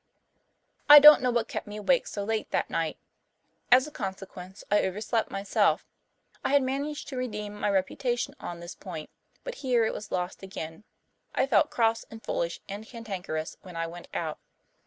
I don't know what kept me awake so late that night. As a consequence I overslept myself. I had managed to redeem my reputation on this point, but here it was lost again. I felt cross and foolish and cantankerous when I went out.